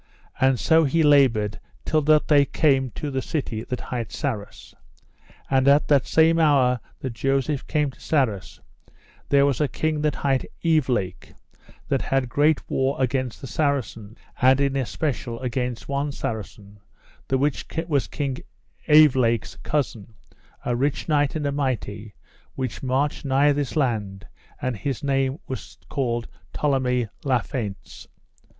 And so he laboured till that they came to a city that hight Sarras. And at that same hour that Joseph came to Sarras there was a king that hight Evelake, that had great war against the Saracens, and in especial against one Saracen, the which was King Evelake's cousin, a rich king and a mighty, which marched nigh this land, and his name was called Tolleme la Feintes.